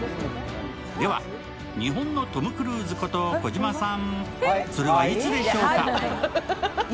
では、日本のトム・クルーズこと児嶋さん、それはいつでしょうか？